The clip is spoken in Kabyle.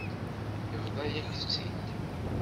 Yebḍa-yak-tt-id.